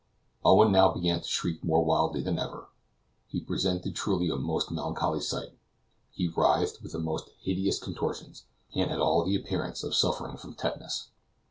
Owen now began to shriek more wildly than ever. He presented truly a most melancholy sight; he writhed with the most hideous contortions, and had all the appearance of suffering from tetanus.